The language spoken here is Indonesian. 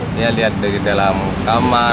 ini yang dilihat dari dalam kamar